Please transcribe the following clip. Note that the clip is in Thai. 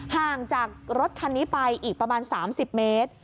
ห่างจากรถคันนี้ไปอีกประมาณ๓๐เมตร